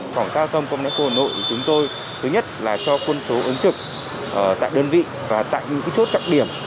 phòng xã hội công an hồ nội chúng tôi thứ nhất là cho quân số ứng trực tại đơn vị và tại những chốt trọng điểm